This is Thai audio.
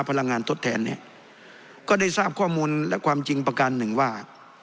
พลังงานทดแทนเนี่ยก็ได้ทราบข้อมูลและความจริงประการหนึ่งว่า